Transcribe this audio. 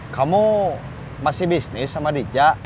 kamu masih bisnis sama dica